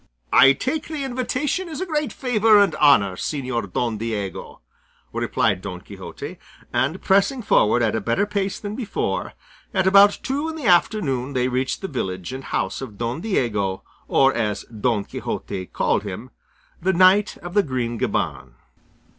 "I take the invitation as a great favour and honour, Señor Don Diego," replied Don Quixote; and pressing forward at a better pace than before, at about two in the afternoon they reached the village and house of Don Diego, or, as Don Quixote called him, "The Knight of the Green Gaban."